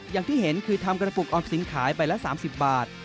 อย่างที่เห็นคือทำกระปุกออมสินขายใบละ๓๐บาท